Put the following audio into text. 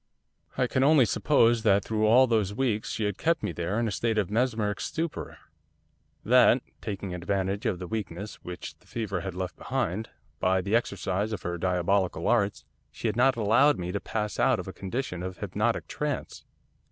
'I can only suppose that through all those weeks she had kept me there in a state of mesmeric stupor. That, taking advantage of the weakness which the fever had left behind, by the exercise of her diabolical arts, she had not allowed me to pass out of a condition of hypnotic trance.